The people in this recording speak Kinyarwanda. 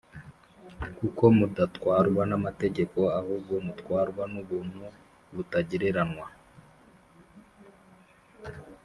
kuko mudatwarwa n’amategeko ahubwo mutwarwa n’ubuntu butagereranywa